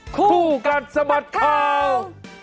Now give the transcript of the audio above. คู่กันสมัติข่าว